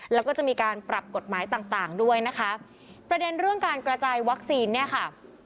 แล้วก็จะมีการปรับกฎหมายต่างต่างด้วยนะคะประเด็นเรื่องการกระจายวัคซีนเนี่ยค่ะ